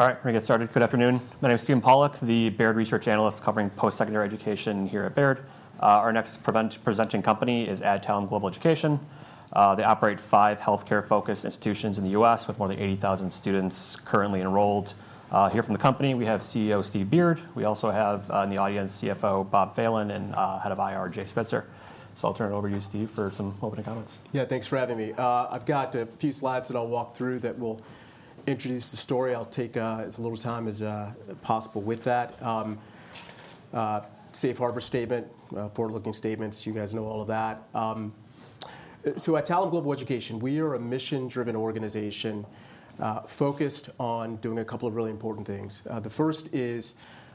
All right, we're going to get started. Good afternoon. My name is Stephen Pollock, the Baird Research Analyst covering post-secondary education here at Baird. Our next presenting company is Adtalem Global Education. They operate five health care-focused institutions in the U.S., with more than 80,000 students currently enrolled. Here from the company, we have CEO Steve Beard. We also have in the audience CFO Bob Phelan and Head of IR, Jay Spitzer. I will turn it over to you, Steve, for some opening comments. Yeah, thanks for having me. I've got a few slides that I'll walk through that will introduce the story. I'll take as little time as possible with that. Safe harbor statement, forward-looking statements, you guys know all of that. Adtalem Global Education, we are a mission-driven organization focused on doing a couple of really important things. The first is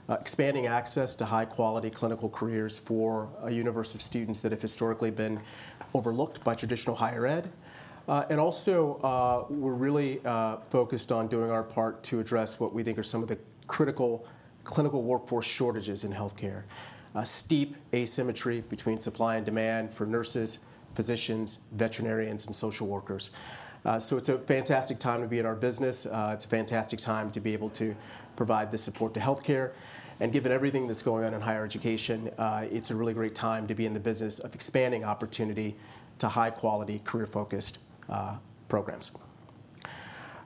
expanding access to high-quality clinical careers for a universe of students that have historically been overlooked by traditional higher ed. Also, we're really focused on doing our part to address what we think are some of the critical clinical workforce shortages in health care: steep asymmetry between supply and demand for nurses, physicians, veterinarians, and social workers. It's a fantastic time to be in our business. It's a fantastic time to be able to provide this support to health care. Given everything that is going on in higher education, it is a really great time to be in the business of expanding opportunity to high-quality, career-focused programs.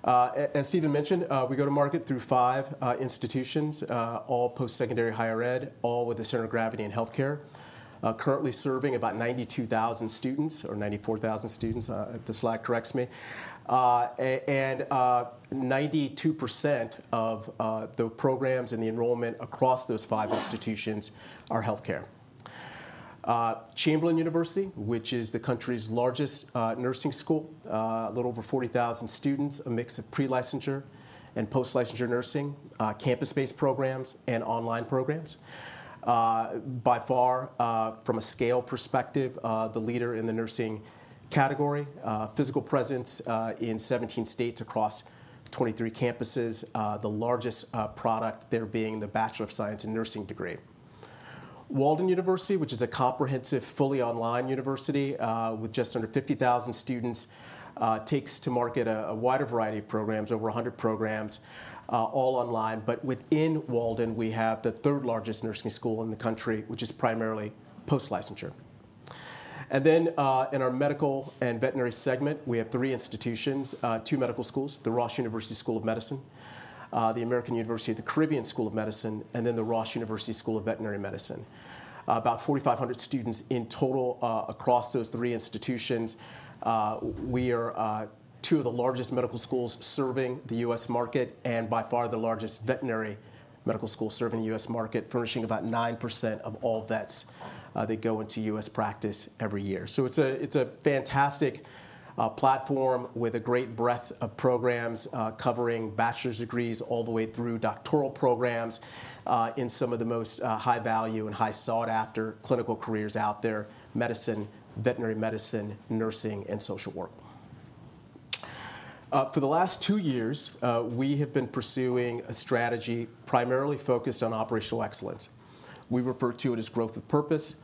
As Stephen mentioned, we go to market through five institutions, all post-secondary higher ed, all with a center of gravity in health care, currently serving about 92,000 students or 94,000 students. The slide corrects me. 92% of the programs and the enrollment across those five institutions are health care. Chamberlain University, which is the country's largest nursing school, a little over 40,000 students, a mix of pre-licensure and post-licensure nursing, campus-based programs, and online programs. By far, from a scale perspective, the leader in the nursing category, physical presence in 17 states across 23 campuses, the largest product there being the Bachelor of Science in Nursing degree. Walden University, which is a comprehensive, fully online university with just under 50,000 students, takes to market a wider variety of programs, over 100 programs, all online. Within Walden, we have the third largest nursing school in the country, which is primarily post-licensure. In our medical and veterinary segment, we have three institutions: two medical schools, the Ross University School of Medicine, the American University of the Caribbean School of Medicine, and the Ross University School of Veterinary Medicine. About 4,500 students in total across those three institutions. We are two of the largest medical schools serving the U.S. market and by far the largest veterinary medical school serving the U.S. market, furnishing about 9% of all vets that go into U.S. practice every year. It's a fantastic platform with a great breadth of programs covering bachelor's degrees all the way through doctoral programs in some of the most high value and high sought-after clinical careers out there: medicine, veterinary medicine, nursing, and social work. For the last two years, we have been pursuing a strategy primarily focused on operational excellence. We refer to it as growth with purpose.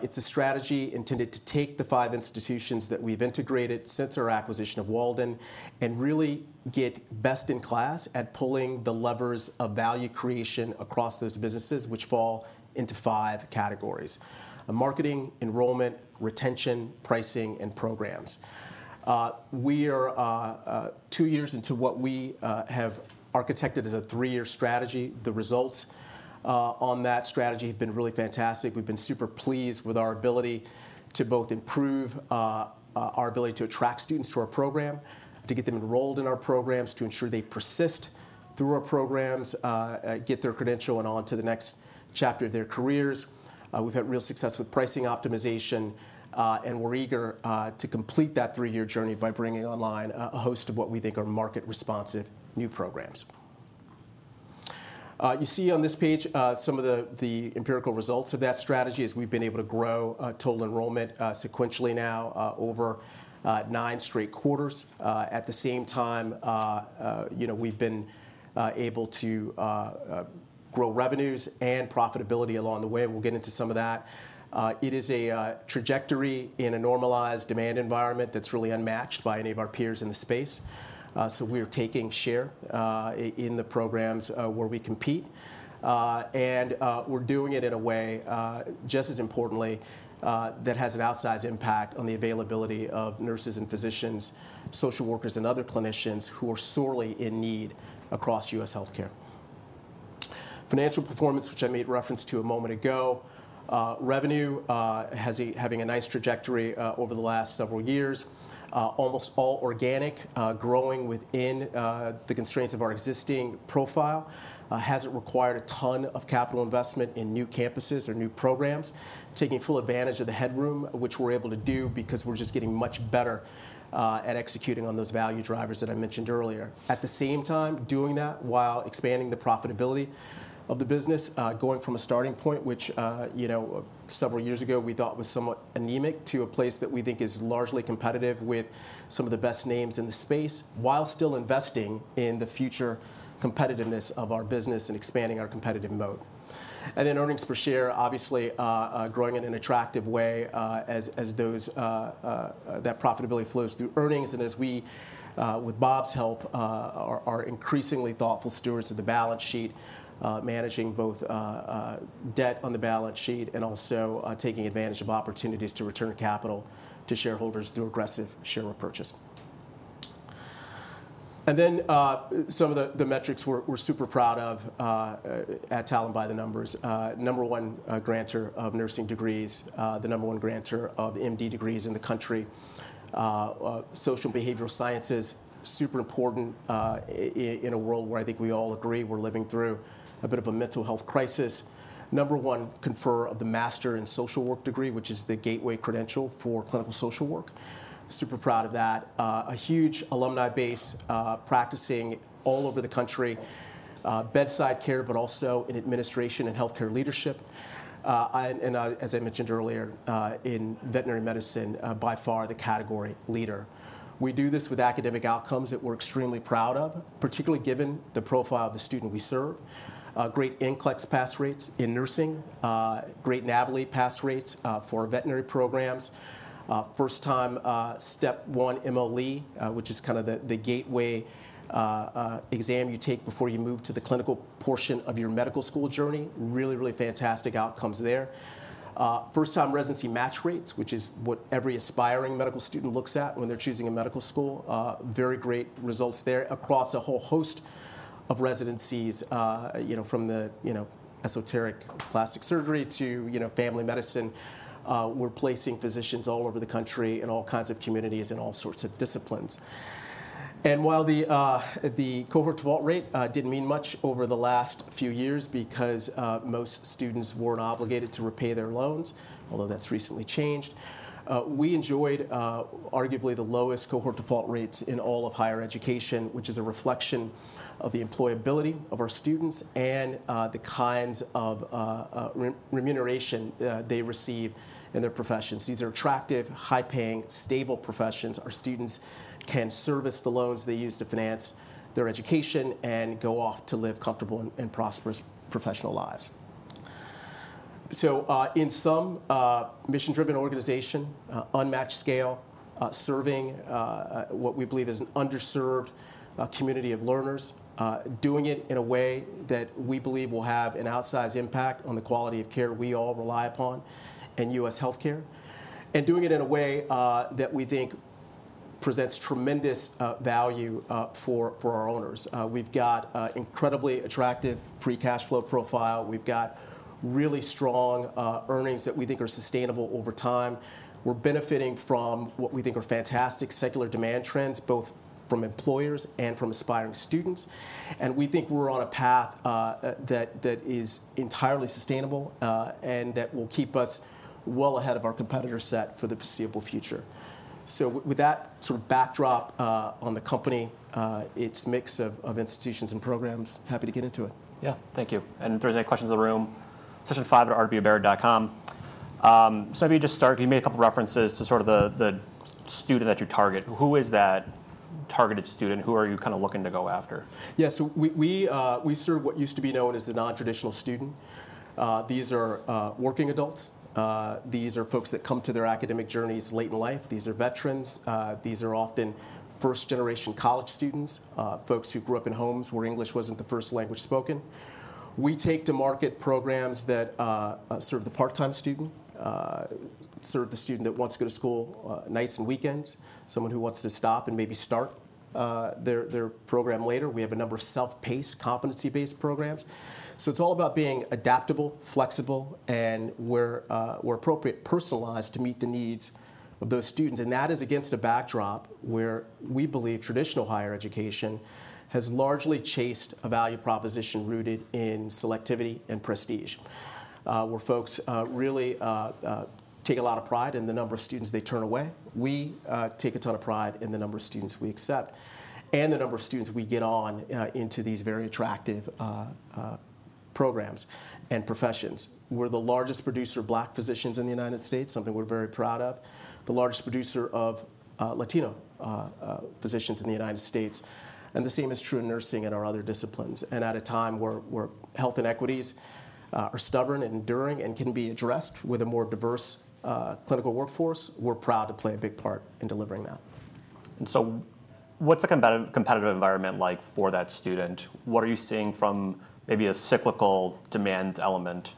It's a strategy intended to take the five institutions that we've integrated since our acquisition of Walden and really get best in class at pulling the levers of value creation across those businesses, which fall into five categories: marketing, enrollment, retention, pricing, and programs. We are two years into what we have architected as a three-year strategy. The results on that strategy have been really fantastic. We've been super pleased with our ability to both improve our ability to attract students to our program, to get them enrolled in our programs, to ensure they persist through our programs, get their credential, and on to the next chapter of their careers. We've had real success with pricing optimization, and we're eager to complete that three-year journey by bringing online a host of what we think are market-responsive new programs. You see on this page some of the empirical results of that strategy as we've been able to grow total enrollment sequentially now over nine straight quarters. At the same time, we've been able to grow revenues and profitability along the way. We'll get into some of that. It is a trajectory in a normalized demand environment that's really unmatched by any of our peers in the space. We are taking share in the programs where we compete. We are doing it in a way, just as importantly, that has an outsized impact on the availability of nurses and physicians, social workers, and other clinicians who are sorely in need across U.S. health care. Financial performance, which I made reference to a moment ago, revenue has been having a nice trajectory over the last several years, almost all organic, growing within the constraints of our existing profile. It has not required a ton of capital investment in new campuses or new programs, taking full advantage of the headroom, which we are able to do because we are just getting much better at executing on those value drivers that I mentioned earlier. At the same time, doing that while expanding the profitability of the business, going from a starting point, which several years ago we thought was somewhat anemic, to a place that we think is largely competitive with some of the best names in the space, while still investing in the future competitiveness of our business and expanding our competitive moat. Earnings per share, obviously growing in an attractive way as that profitability flows through earnings. As we, with Bob's help, are increasingly thoughtful stewards of the balance sheet, managing both debt on the balance sheet and also taking advantage of opportunities to return capital to shareholders through aggressive share repurchase. Some of the metrics we're super proud of at Adtalem by the numbers: number one grantor of nursing degrees, the number one grantor of MD degrees in the country, social and behavioral sciences, super important in a world where I think we all agree we're living through a bit of a mental health crisis. Number one confer of the master in social work degree, which is the gateway credential for clinical social work. Super proud of that. A huge alumni base practicing all over the country, bedside care, but also in administration and health care leadership. As I mentioned earlier, in veterinary medicine, by far the category leader. We do this with academic outcomes that we're extremely proud of, particularly given the profile of the student we serve. Great NCLEX pass rates in nursing, great NAVLE pass rates for veterinary programs, first-time Step 1 MLE, which is kind of the gateway exam you take before you move to the clinical portion of your medical school journey. Really, really fantastic outcomes there. First-time residency match rates, which is what every aspiring medical student looks at when they're choosing a medical school. Very great results there across a whole host of residencies, from the esoteric plastic surgery to family medicine. We're placing physicians all over the country in all kinds of communities and all sorts of disciplines. While the cohort default rate did not mean much over the last few years because most students were not obligated to repay their loans, although that has recently changed, we enjoyed arguably the lowest cohort default rates in all of higher education, which is a reflection of the employability of our students and the kinds of remuneration they receive in their professions. These are attractive, high-paying, stable professions. Our students can service the loans they use to finance their education and go off to live comfortable and prosperous professional lives. In some mission-driven organization, unmatched scale, serving what we believe is an underserved community of learners, doing it in a way that we believe will have an outsized impact on the quality of care we all rely upon in U.S. health care, and doing it in a way that we think presents tremendous value for our owners. We've got an incredibly attractive free cash flow profile. We've got really strong earnings that we think are sustainable over time. We're benefiting from what we think are fantastic secular demand trends, both from employers and from aspiring students. We think we're on a path that is entirely sustainable and that will keep us well ahead of our competitor set for the foreseeable future. With that sort of backdrop on the company, its mix of institutions and programs, happy to get into it. Yeah, thank you. If there's any questions in the room, session5@rdbbear.com. Maybe just start, give me a couple of references to sort of the student that you target. Who is that targeted student? Who are you kind of looking to go after? Yeah, so we serve what used to be known as the nontraditional student. These are working adults. These are folks that come to their academic journeys late in life. These are veterans. These are often first-generation college students, folks who grew up in homes where English wasn't the first language spoken. We take to market programs that serve the part-time student, serve the student that wants to go to school nights and weekends, someone who wants to stop and maybe start their program later. We have a number of self-paced, competency-based programs. It is all about being adaptable, flexible, and where appropriate, personalized to meet the needs of those students. That is against a backdrop where we believe traditional higher education has largely chased a value proposition rooted in selectivity and prestige, where folks really take a lot of pride in the number of students they turn away. We take a ton of pride in the number of students we accept and the number of students we get on into these very attractive programs and professions. We are the largest producer of Black physicians in the United States, something we are very proud of, the largest producer of Latino physicians in the United States. The same is true in nursing and our other disciplines. At a time where health inequities are stubborn and enduring and can be addressed with a more diverse clinical workforce, we are proud to play a big part in delivering that. What is the competitive environment like for that student? What are you seeing from maybe a cyclical demand element?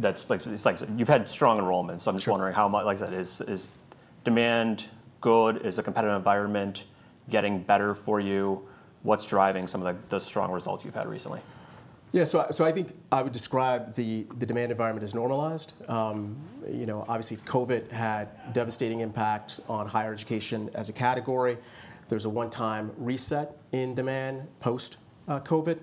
You have had strong enrollments. I am just wondering how much that is. Is demand good? Is the competitive environment getting better for you? What is driving some of the strong results you have had recently? Yeah, so I think I would describe the demand environment as normalized. Obviously, COVID had devastating impacts on higher education as a category. There was a one-time reset in demand post-COVID.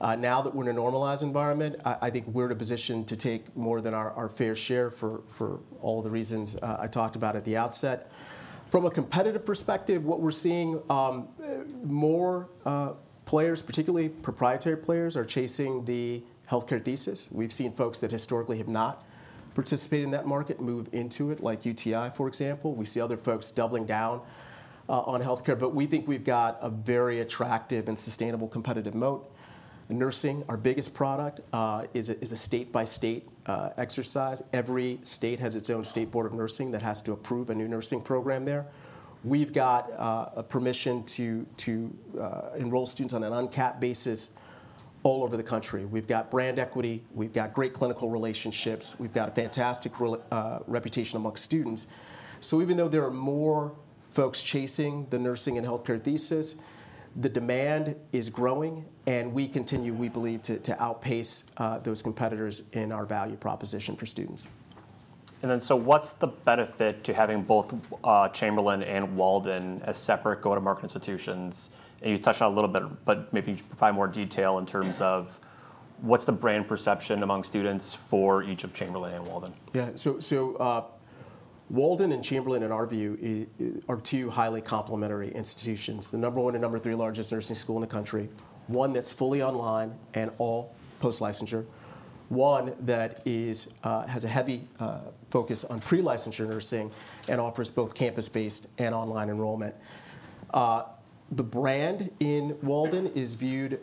Now that we're in a normalized environment, I think we're in a position to take more than our fair share for all the reasons I talked about at the outset. From a competitive perspective, what we're seeing, more players, particularly proprietary players, are chasing the health care thesis. We've seen folks that historically have not participated in that market move into it, like UTI, for example. We see other folks doubling down on health care. We think we've got a very attractive and sustainable competitive moat. Nursing, our biggest product, is a state-by-state exercise. Every state has its own state board of nursing that has to approve a new nursing program there. We've got a permission to enroll students on an uncapped basis all over the country. We've got brand equity. We've got great clinical relationships. We've got a fantastic reputation among students. Even though there are more folks chasing the nursing and health care thesis, the demand is growing. We continue, we believe, to outpace those competitors in our value proposition for students. What's the benefit to having both Chamberlain and Walden as separate go-to-market institutions? You touched on it a little bit, but maybe you can provide more detail in terms of what's the brand perception among students for each of Chamberlain and Walden? Yeah, so Walden and Chamberlain, in our view, are two highly complementary institutions. The number one and number three largest nursing school in the country, one that's fully online and all post-licensure, one that has a heavy focus on pre-licensure nursing and offers both campus-based and online enrollment. The brand in Walden is viewed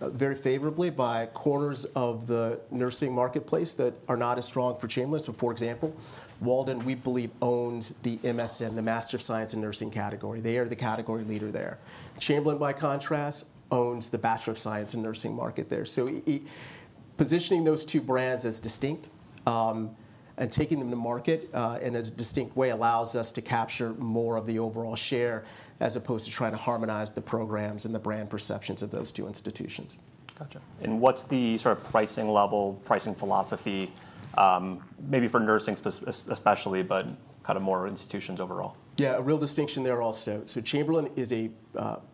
very favorably by corners of the nursing marketplace that are not as strong for Chamberlain. For example, Walden, we believe, owns the MSN, the Master of Science in Nursing category. They are the category leader there. Chamberlain, by contrast, owns the Bachelor of Science in Nursing market there. Positioning those two brands as distinct and taking them to market in a distinct way allows us to capture more of the overall share as opposed to trying to harmonize the programs and the brand perceptions of those two institutions. Gotcha. What's the sort of pricing level, pricing philosophy, maybe for nursing especially, but kind of more institutions overall? Yeah, a real distinction there also. Chamberlain is a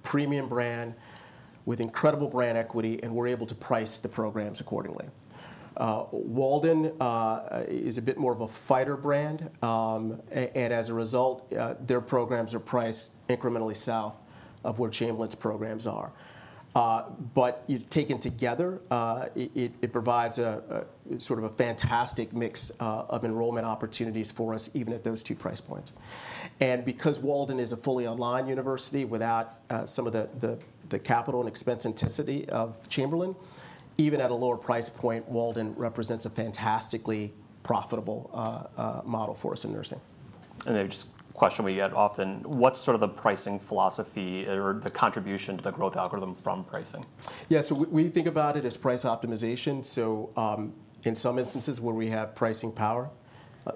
premium brand with incredible brand equity, and we're able to price the programs accordingly. Walden is a bit more of a fighter brand. As a result, their programs are priced incrementally south of where Chamberlain's programs are. Taken together, it provides sort of a fantastic mix of enrollment opportunities for us, even at those two price points. Because Walden is a fully online university without some of the capital and expensivity of Chamberlain, even at a lower price point, Walden represents a fantastically profitable model for us in nursing. I have just a question we get often. What's sort of the pricing philosophy or the contribution to the growth algorithm from pricing? Yeah, so we think about it as price optimization. In some instances where we have pricing power,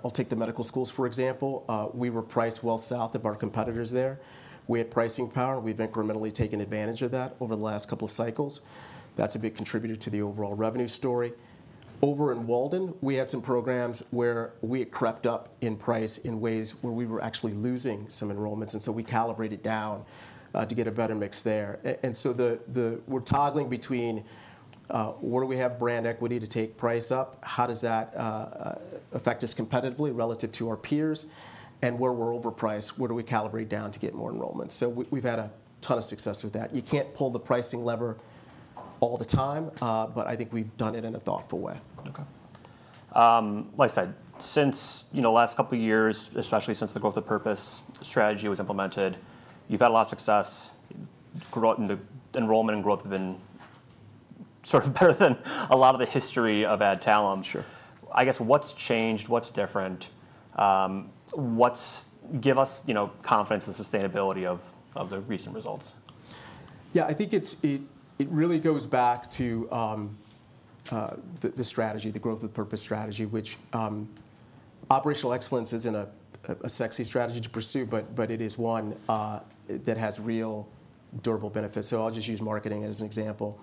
I'll take the medical schools, for example. We were priced well south of our competitors there. We had pricing power. We've incrementally taken advantage of that over the last couple of cycles. That's a big contributor to the overall revenue story. Over in Walden, we had some programs where we had crept up in price in ways where we were actually losing some enrollments. We calibrated down to get a better mix there. We're toggling between where do we have brand equity to take price up, how does that affect us competitively relative to our peers, and where we're overpriced, where do we calibrate down to get more enrollment. We've had a ton of success with that. You can't pull the pricing lever all the time, but I think we've done it in a thoughtful way. OK. Like I said, since the last couple of years, especially since the growth of purpose strategy was implemented, you've had a lot of success. Enrollment and growth have been sort of better than a lot of the history of Adtalem. I guess what's changed? What's different? Give us confidence in the sustainability of the recent results. Yeah, I think it really goes back to the strategy, the growth of purpose strategy, which operational excellence isn't a sexy strategy to pursue, but it is one that has real durable benefits. I'll just use marketing as an example.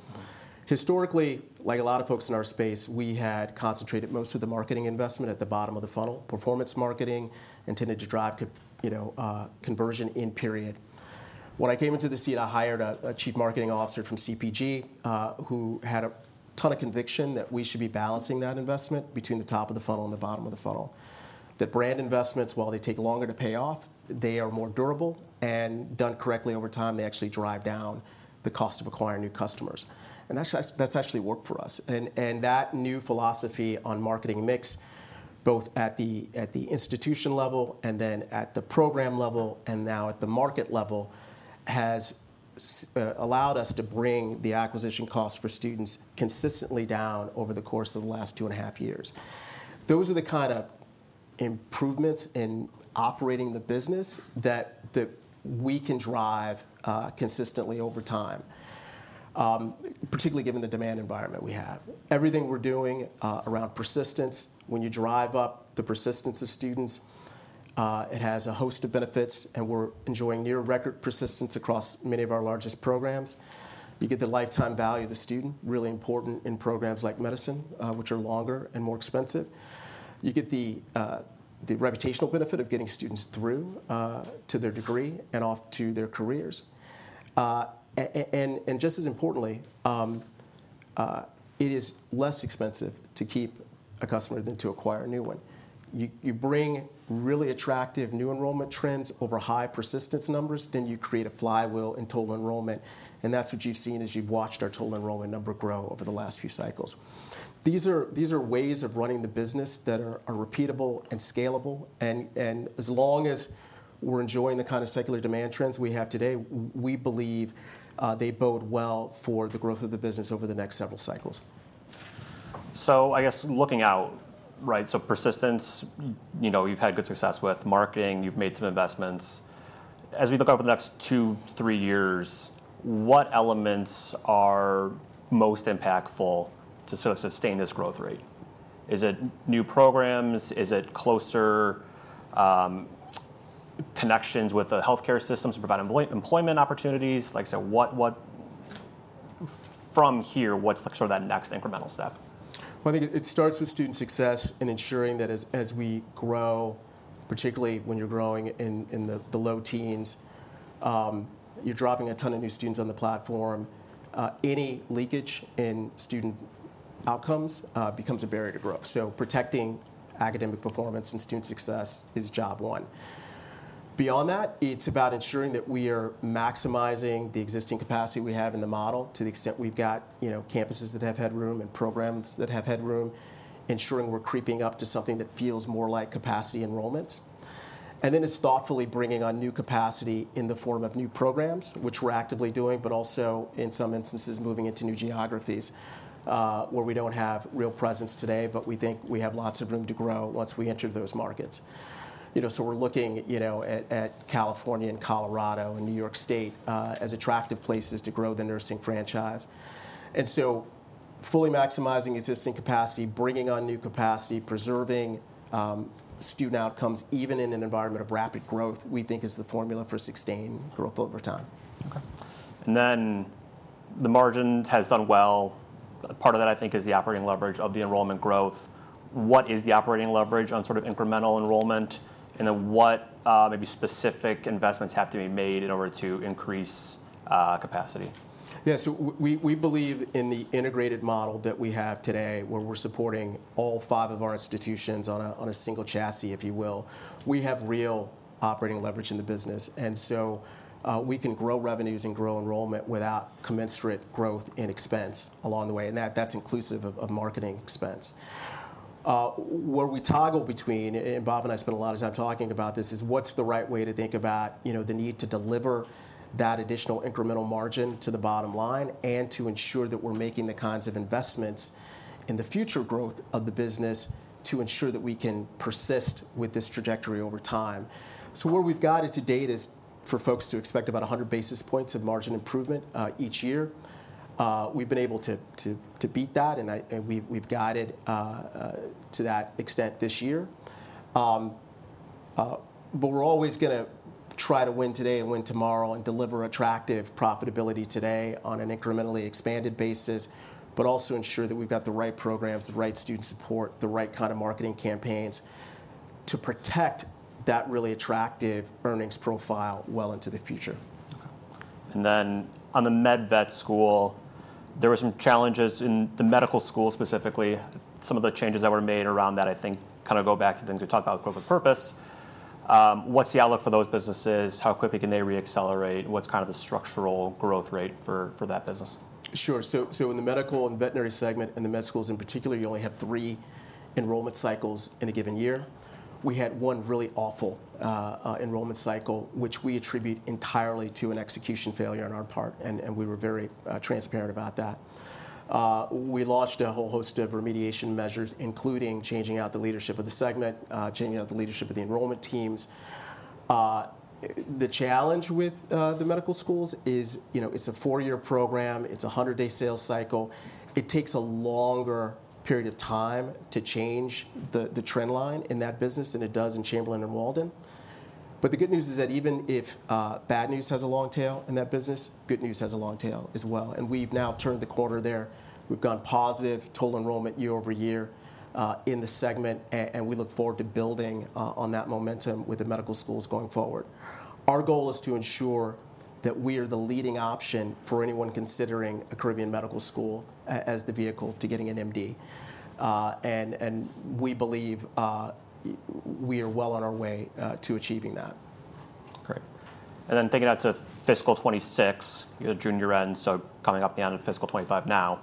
Historically, like a lot of folks in our space, we had concentrated most of the marketing investment at the bottom of the funnel, performance marketing, intended to drive conversion in period. When I came into the seat, I hired a Chief Marketing Officer from CPG who had a ton of conviction that we should be balancing that investment between the top of the funnel and the bottom of the funnel, that brand investments, while they take longer to pay off, they are more durable. Done correctly over time, they actually drive down the cost of acquiring new customers. That's actually worked for us. That new philosophy on marketing mix, both at the institution level and then at the program level and now at the market level, has allowed us to bring the acquisition cost for students consistently down over the course of the last two and a half years. Those are the kind of improvements in operating the business that we can drive consistently over time, particularly given the demand environment we have. Everything we're doing around persistence, when you drive up the persistence of students, it has a host of benefits. We're enjoying near-record persistence across many of our largest programs. You get the lifetime value of the student, really important in programs like medicine, which are longer and more expensive. You get the reputational benefit of getting students through to their degree and off to their careers. Just as importantly, it is less expensive to keep a customer than to acquire a new one. You bring really attractive new enrollment trends over high persistence numbers, then you create a flywheel in total enrollment. That is what you have seen as you have watched our total enrollment number grow over the last few cycles. These are ways of running the business that are repeatable and scalable. As long as we are enjoying the kind of secular demand trends we have today, we believe they bode well for the growth of the business over the next several cycles. I guess looking out, right, so persistence, you've had good success with marketing. You've made some investments. As we look over the next two, three years, what elements are most impactful to sort of sustain this growth rate? Is it new programs? Is it closer connections with the health care systems to provide employment opportunities? Like I said, from here, what's sort of that next incremental step? I think it starts with student success and ensuring that as we grow, particularly when you're growing in the low teens, you're dropping a ton of new students on the platform. Any leakage in student outcomes becomes a barrier to growth. Protecting academic performance and student success is job one. Beyond that, it's about ensuring that we are maximizing the existing capacity we have in the model to the extent we've got campuses that have had room and programs that have had room, ensuring we're creeping up to something that feels more like capacity enrollments. Then it's thoughtfully bringing on new capacity in the form of new programs, which we're actively doing, but also in some instances moving into new geographies where we do not have real presence today, but we think we have lots of room to grow once we enter those markets. We're looking at California and Colorado and New York State as attractive places to grow the nursing franchise. Fully maximizing existing capacity, bringing on new capacity, preserving student outcomes, even in an environment of rapid growth, we think is the formula for sustaining growth over time. OK. The margin has done well. Part of that, I think, is the operating leverage of the enrollment growth. What is the operating leverage on sort of incremental enrollment? What maybe specific investments have to be made in order to increase capacity? Yeah, so we believe in the integrated model that we have today, where we're supporting all five of our institutions on a single chassis, if you will. We have real operating leverage in the business. We can grow revenues and grow enrollment without commensurate growth in expense along the way. That is inclusive of marketing expense. Where we toggle between, and Bob and I spent a lot of time talking about this, is what's the right way to think about the need to deliver that additional incremental margin to the bottom line and to ensure that we're making the kinds of investments in the future growth of the business to ensure that we can persist with this trajectory over time. Where we've guided to date is for folks to expect about 100 basis points of margin improvement each year. We've been able to beat that. We have guided to that extent this year. We are always going to try to win today and win tomorrow and deliver attractive profitability today on an incrementally expanded basis, but also ensure that we have the right programs, the right student support, the right kind of marketing campaigns to protect that really attractive earnings profile well into the future. OK. On the med vet school, there were some challenges in the medical school specifically. Some of the changes that were made around that, I think, kind of go back to things we talked about with growth of purpose. What's the outlook for those businesses? How quickly can they reaccelerate? What's kind of the structural growth rate for that business? Sure. In the medical and veterinary segment, and the med schools in particular, you only have three enrollment cycles in a given year. We had one really awful enrollment cycle, which we attribute entirely to an execution failure on our part. We were very transparent about that. We launched a whole host of remediation measures, including changing out the leadership of the segment, changing out the leadership of the enrollment teams. The challenge with the medical schools is it's a four-year program. It's a 100-day sales cycle. It takes a longer period of time to change the trend line in that business than it does in Chamberlain and Walden. The good news is that even if bad news has a long tail in that business, good news has a long tail as well. We've now turned the corner there. We've gone positive total enrollment year over year in the segment. We look forward to building on that momentum with the medical schools going forward. Our goal is to ensure that we are the leading option for anyone considering a Caribbean medical school as the vehicle to getting an MD. We believe we are well on our way to achieving that. Great. Thinking out to fiscal 2026, you're at junior end, so coming up at the end of fiscal 2025 now.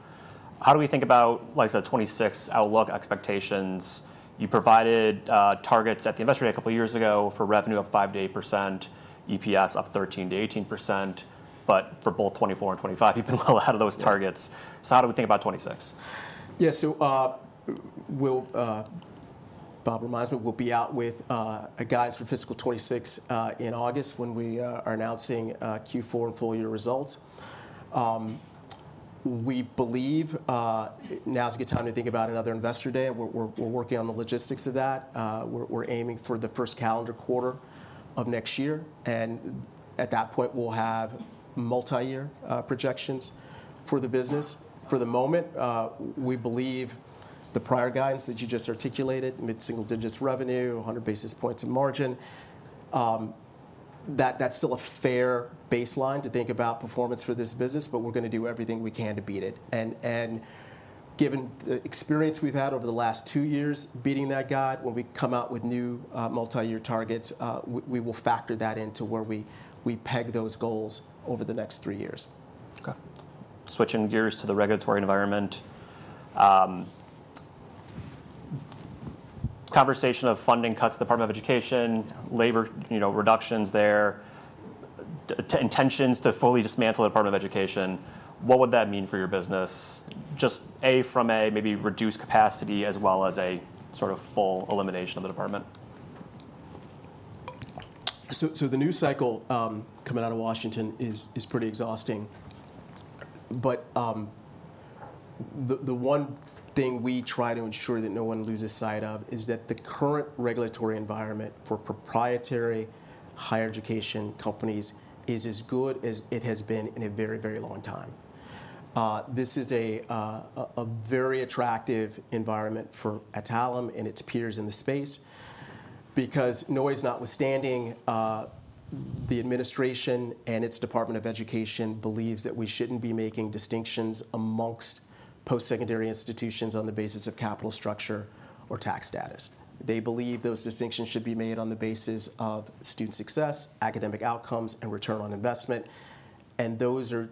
How do we think about, like I said, 2026 outlook expectations? You provided targets at the investment a couple of years ago for revenue up 5%-8%, EPS up 13%-18%. For both 2024 and 2025, you've been well ahead of those targets. How do we think about 2026? Yeah, so Bob reminds me, we'll be out with guidance for fiscal 2026 in August when we are announcing Q4 and full year results. We believe now is a good time to think about another investor day. We're working on the logistics of that. We're aiming for the first calendar quarter of next year. At that point, we'll have multi-year projections for the business. For the moment, we believe the prior guidance that you just articulated, mid-single digits revenue, 100 basis points of margin, that's still a fair baseline to think about performance for this business. We're going to do everything we can to beat it. Given the experience we've had over the last two years beating that guidance, when we come out with new multi-year targets, we will factor that into where we peg those goals over the next three years. OK. Switching gears to the regulatory environment. Conversation of funding cuts, the Department of Education, labor reductions there, intentions to fully dismantle the Department of Education. What would that mean for your business? Just A, from A, maybe reduced capacity as well as a sort of full elimination of the department. The news cycle coming out of Washington is pretty exhausting. The one thing we try to ensure that no one loses sight of is that the current regulatory environment for proprietary higher education companies is as good as it has been in a very, very long time. This is a very attractive environment for Adtalem and its peers in the space. Noise notwithstanding, the administration and its Department of Education believes that we shouldn't be making distinctions amongst post-secondary institutions on the basis of capital structure or tax status. They believe those distinctions should be made on the basis of student success, academic outcomes, and return on investment. Those are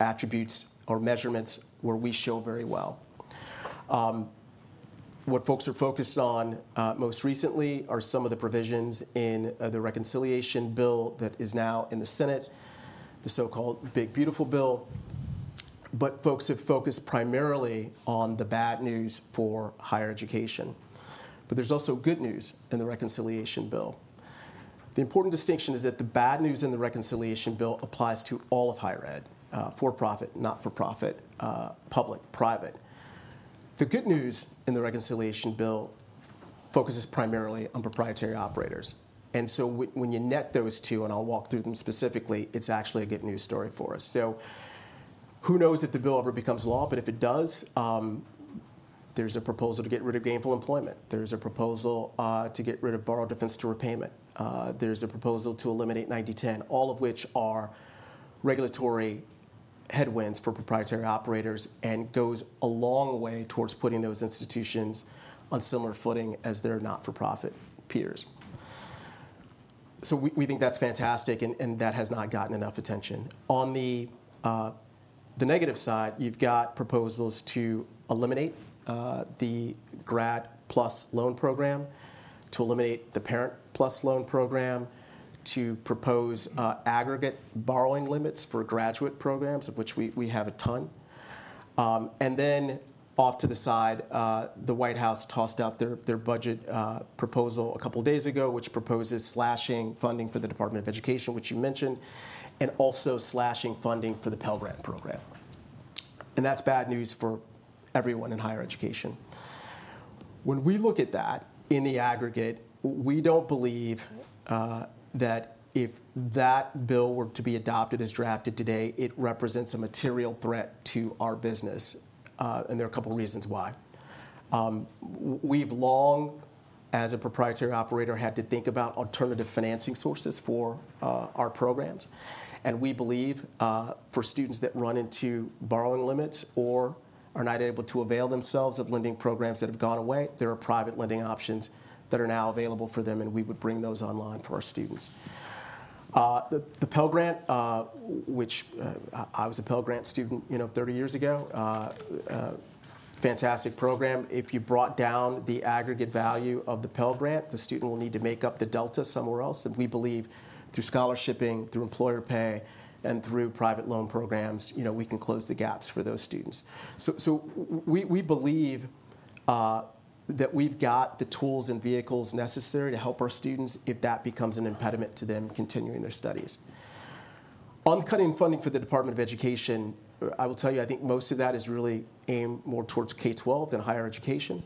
attributes or measurements where we show very well. What folks are focused on most recently are some of the provisions in the reconciliation bill that is now in the Senate, the so-called Big Beautiful Bill. Folks have focused primarily on the bad news for higher education. However, there's also good news in the reconciliation bill. The important distinction is that the bad news in the reconciliation bill applies to all of higher ed, for-profit, not-for-profit, public, private. The good news in the reconciliation bill focuses primarily on proprietary operators. When you net those two, and I'll walk through them specifically, it's actually a good news story for us. Who knows if the bill ever becomes law? If it does, there's a proposal to get rid of gainful employment. There's a proposal to get rid of borrower defense to repayment. There's a proposal to eliminate 90/10, all of which are regulatory headwinds for proprietary operators and goes a long way towards putting those institutions on similar footing as their not-for-profit peers. We think that's fantastic. That has not gotten enough attention. On the negative side, you've got proposals to eliminate the Grad PLUS Loan program, to eliminate the Parent PLUS Loan program, to propose aggregate borrowing limits for graduate programs, of which we have a ton. Off to the side, the White House tossed out their budget proposal a couple of days ago, which proposes slashing funding for the Department of Education, which you mentioned, and also slashing funding for the Pell Grant program. That is bad news for everyone in higher education. When we look at that in the aggregate, we do not believe that if that bill were to be adopted as drafted today, it represents a material threat to our business. There are a couple of reasons why. We have long, as a proprietary operator, had to think about alternative financing sources for our programs. We believe for students that run into borrowing limits or are not able to avail themselves of lending programs that have gone away, there are private lending options that are now available for them. We would bring those online for our students. The Pell Grant, which I was a Pell Grant student 30 years ago, fantastic program. If you brought down the aggregate value of the Pell Grant, the student will need to make up the delta somewhere else. We believe through scholarshipping, through employer pay, and through private loan programs, we can close the gaps for those students. We believe that we have the tools and vehicles necessary to help our students if that becomes an impediment to them continuing their studies. On cutting funding for the Department of Education, I will tell you, I think most of that is really aimed more towards K-12 than higher education.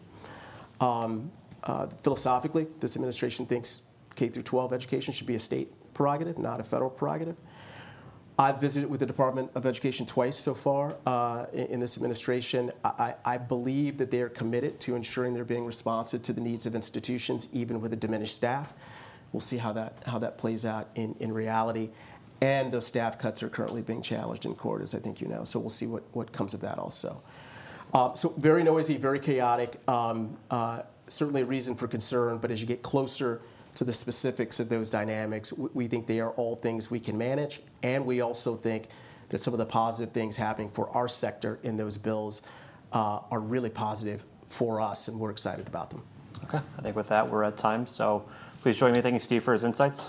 Philosophically, this administration thinks K-12 education should be a state prerogative, not a federal prerogative. I've visited with the Department of Education twice so far in this administration. I believe that they are committed to ensuring they're being responsive to the needs of institutions, even with a diminished staff. We'll see how that plays out in reality. Those staff cuts are currently being challenged in court, as I think you know. We'll see what comes of that also. Very noisy, very chaotic, certainly a reason for concern. As you get closer to the specifics of those dynamics, we think they are all things we can manage. We also think that some of the positive things happening for our sector in those bills are really positive for us. We're excited about them. OK. I think with that, we're at time. Please join me in thanking Steve for his insights.